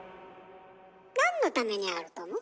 なんのためにあると思う？